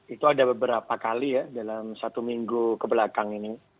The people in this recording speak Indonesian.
itu ada beberapa kali ya dalam satu minggu kebelakang ini